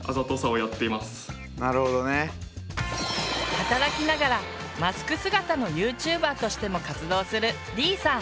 働きながらマスク姿のＹｏｕＴｕｂｅｒとしても活動するでぃーさん。